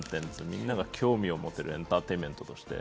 みんなが興味を持てるエンターテインメント。